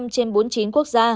trên bốn mươi chín quốc gia